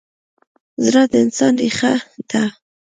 زړه د انسان ریښه ده.